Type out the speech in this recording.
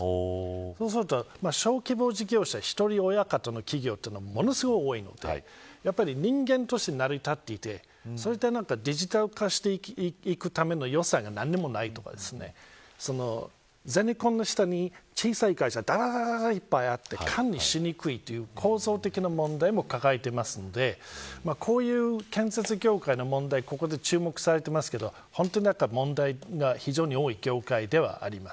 そうすると小規模事業者１人親方の企業がものすごい多いのでやはり人間として成り立っていてそういったデジタル化していく予算が何にもないとかゼネコンの下に小さい会社がいっぱいあって管理しにくいという構造的な問題も抱えていますのでこういう建設業界の問題がここで注目されていますが問題が非常に多い業界ではあります。